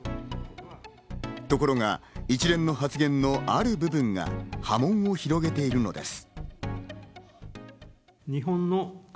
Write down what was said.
ところが一連の発言のある部分が波紋を広げているのです。